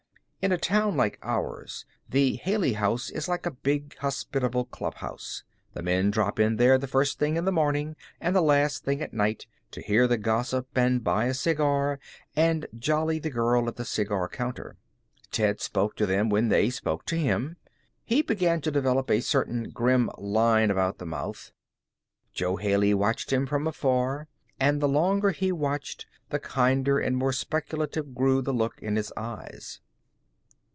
In a town like ours the Haley House is like a big, hospitable clubhouse. The men drop in there the first thing in the morning, and the last thing at night, to hear the gossip and buy a cigar and jolly the girl at the cigar counter. Ted spoke to them when they spoke to him. He began to develop a certain grim line about the mouth. Jo Haley watched him from afar, and the longer he watched the kinder and more speculative grew the look in his eyes.